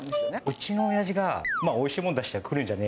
うちのおやじが、おいしいもん出したら来るんじゃね？